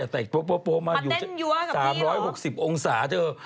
แต่โป๊มาอยู่๓๖๐องศาเธอ